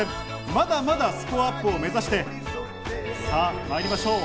まだまだスコアアップを目指して、さぁまいりましょう！